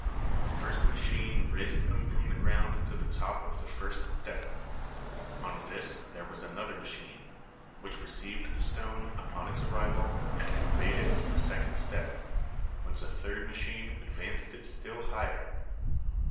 The first machine raised them from the ground to the top of the first step. On this there was another machine, which received the stone upon its arrival, and conveyed it to the second step, whence a third machine advanced it still higher.